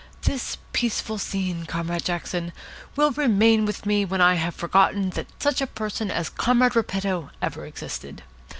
This peaceful scene, Comrade Jackson, will remain with me when I have forgotten that such a person as Comrade Repetto ever existed.